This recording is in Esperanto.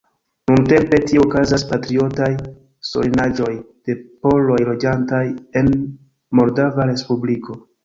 Nuntempe tie okazas patriotaj solenaĵoj de poloj loĝantaj en Moldava Respubliko.